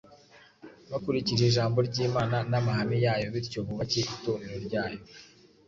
bakurikije ijambo ry’Imana n’amahame yayo bityo bubake Itorero ryayo,